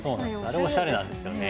あれおしゃれなんですよね。